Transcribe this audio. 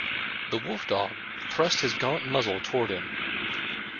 The wolf-dog thrust his gaunt muzzle toward him.